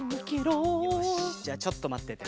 よしじゃあちょっとまってて。